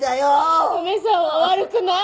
梅さんは悪くない！